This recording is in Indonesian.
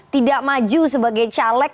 tidak maju sebagai caleg